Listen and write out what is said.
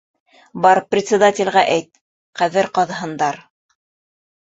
Бар, председателгә әйт: ҡәбер ҡаҙыһындар.